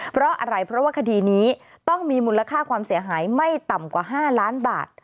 เพราะอะไรเพราะว่าคดีนี้ต้องมีมูลค่าความเสียหายไม่ต่ำกว่า๕ล้านบาท